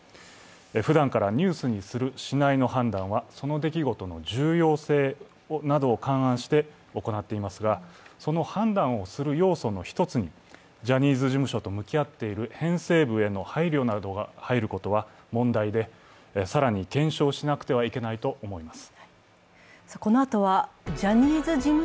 ふだんからニュースにする、しないの判断はその出来事の重要性などを判断して行っていますが、その判断をする要素の１つに、ジャニーズ事務所と向き合っている編成部への配慮などが入ることは問題で、更に検証しなくてはいけないと思います。